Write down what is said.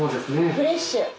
フレッシュ。